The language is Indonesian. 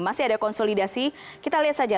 masih ada konsolidasi kita lihat saja